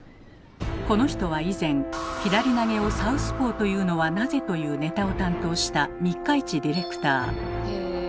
この人は以前「左投げをサウスポーというのはなぜ？」というネタを担当した三日市ディレクター。